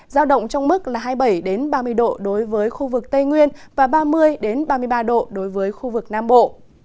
giao động trong mức là hai mươi bảy ba mươi độ đối với khu vực tây nguyên và ba mươi ba mươi ba độ đối với khu vực nam bộ